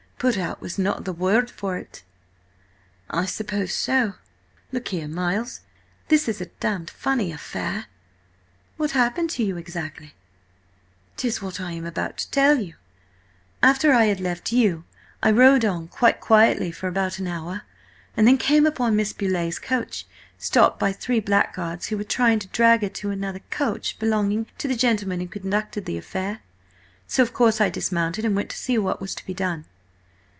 Put out was not the word for it." "I suppose so. Look here, Miles, this is a damned funny affair!" "What happened to you exactly?" "'Tis what I am about to tell you. After I had left you, I rode on quite quietly for about an hour, and then came upon Miss Beauleigh's coach stopped by three blackguards who were trying to drag her to another coach belonging to the gentleman who conducted the affair. So, of course, I dismounted, and went to see what was to be done."